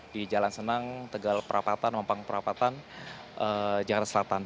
di jalan senang tegal perapatan mampang perapatan jakarta selatan